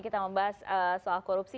kita membahas soal korupsi